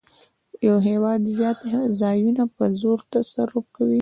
یو هېواد زیات ځایونه په زور تصرف کوي